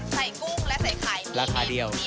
กุ้งและใส่ไข่ราคาเดียว